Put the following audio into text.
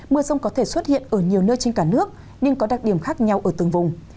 mưa rông có thể xuất hiện ở nhiều nơi trên cả nước nhưng có đặc điểm khác nhau ở từng vùng